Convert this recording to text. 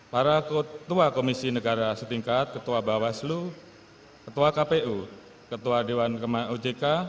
para ketua komisi negara setingkat ketua bawaslu ketua kpu ketua dewan ojk